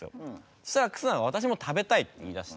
そしたら忽那が「私も食べたい」って言いだして。